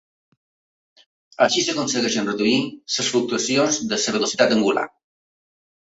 Així s'aconsegueixen reduir les fluctuacions de la velocitat angular.